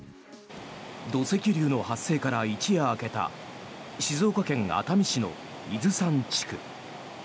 土石流の発生から一夜明けた静岡県熱海市の伊豆山地区。